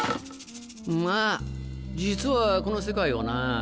まぁ実はこの世界はな。